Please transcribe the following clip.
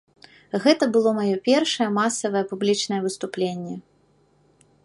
Гэта было маё першае масавае публічнае выступленне.